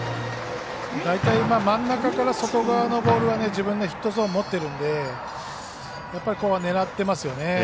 大体真ん中から外側のボールは自分のヒットゾーンを持っているんで、狙ってますよね。